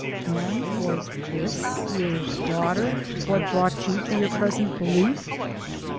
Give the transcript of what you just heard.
"And was this your daughter what brought you to your present belief?"